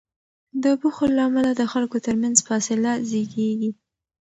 د بخل له امله د خلکو تر منځ فاصله زیږیږي.